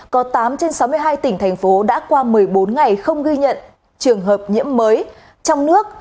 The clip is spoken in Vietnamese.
có tám trên sáu mươi hai tỉnh thành phố đã qua một mươi bốn ngày không ghi nhận trường hợp nhiễm mới trong nước